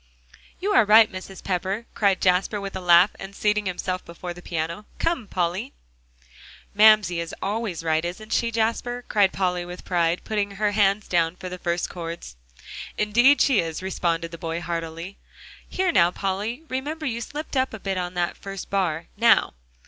"You are right, Mrs. Pepper," cried Jasper with a laugh, and seating himself before the piano. "Come, Polly!" "Mamsie is always right, isn't she, Jasper?" cried Polly with pride, putting her hands down for the first chords. "Indeed she is," responded the boy heartily. "Here now, Polly, remember, you slipped up a bit on that first bar. Now!"